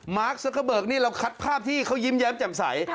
ซักเกอร์เบิกนี่เราคัดภาพที่เขายิ้มแย้มแจ่มใส